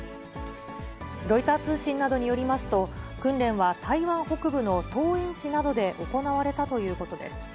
ロイター通信などによりますと、訓練は台湾北部の桃園市などで行われたということです。